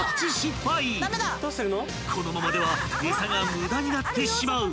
［このままではエサが無駄になってしまう］